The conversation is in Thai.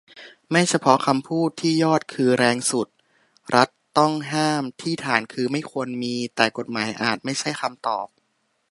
ไม่เฉพาะคำพูด ที่ยอดคือแรงสุด รัฐต้องห้าม ที่ฐานคือไม่ควรมี แต่กฎหมายอาจไม่ใช่คำตอบ